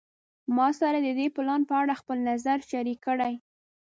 ما سره د دې پلان په اړه خپل نظر شریک کړی